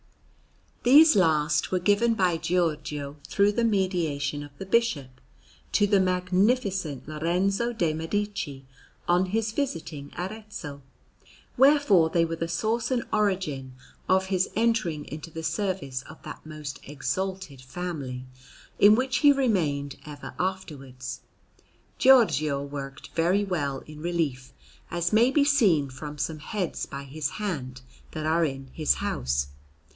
These last were given by Giorgio, through the mediation of the Bishop, to the Magnificent Lorenzo de' Medici on his visiting Arezzo; wherefore they were the source and origin of his entering into the service of that most exalted family, in which he remained ever afterwards. Giorgio worked very well in relief, as may be seen from some heads by his hand that are in his house.